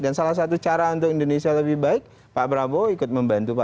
dan salah satu cara untuk indonesia lebih baik pak prabowo ikut membantu